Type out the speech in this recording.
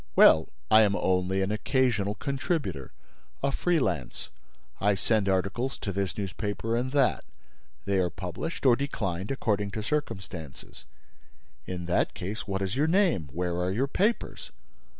"Well, I am only an occasional contributor, a free lance. I send articles to this newspaper and that. They are published or declined according to circumstances." "In that case, what is your name? Where are your papers?"